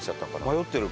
迷ってる？